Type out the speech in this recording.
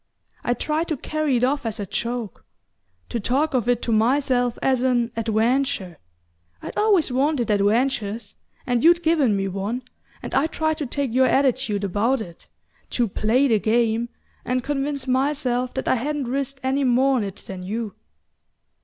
I tried to carry it off as a joke to talk of it to myself as an 'adventure'. I'd always wanted adventures, and you'd given me one, and I tried to take your attitude about it, to 'play the game' and convince myself that I hadn't risked any more on it than you.